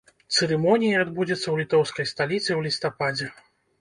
Цырымонія адбудзецца ў літоўскай сталіцы ў лістападзе.